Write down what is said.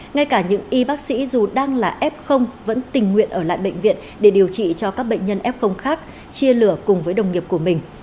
ngay cả những y bác sĩ dù đang là f vẫn tình nguyện ở lại bệnh viện để điều trị cho các bệnh nhân f khác chia lửa cùng với đồng nghiệp của mình